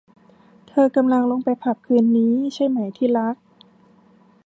เธอกำลังลงไปผับคืนนี้ใช่ไหมที่รัก ?